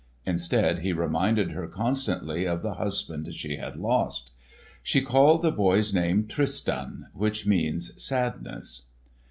Instead he reminded her constantly of the husband she had lost. She called the boy's name Tristan, which means "sadness."